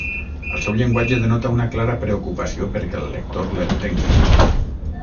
El seu llenguatge denota una clara preocupació perquè el lector l'entengui.